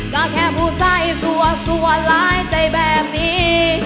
ก็แค่ผู้ใส่สัวหลายใจแบบนี้